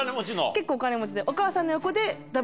結構お金持ちで。